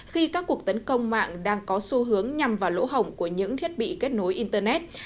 khi các cuộc tấn công mạng đang có xu hướng nhằm vào lỗ hổng của những thiết bị kết nối internet